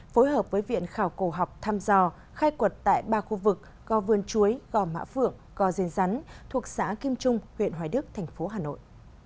phối hợp với viện khảo cổ học tham gio khai quật tại ba khu vực go vườn chuối go mã phượng go diên rắn thuộc xã kim trung huyện hoài đức tp hà nội